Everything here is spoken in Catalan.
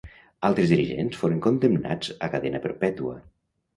Altres dirigents foren condemnats a cadena perpètua.